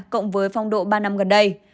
cộng với phong độ ba năm gần đây